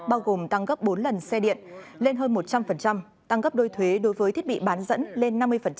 bao gồm tăng gấp bốn lần xe điện lên hơn một trăm linh tăng gấp đôi thuế đối với thiết bị bán dẫn lên năm mươi